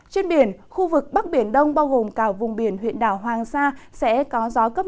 trên biển khu vực bắc biển đông bao gồm cả vùng biển huyện đảo hoàng sa sẽ có gió cấp năm